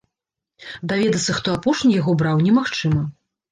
Даведацца, хто апошні яго браў, немагчыма.